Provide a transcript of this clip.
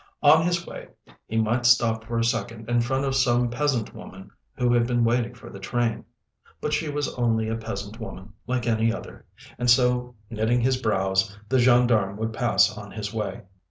On his way he might stop for a second in front of some peasant woman who had been waiting for the train—but she was only a peasant woman like any other—and so knitting his brows the gendarme would pass on his way.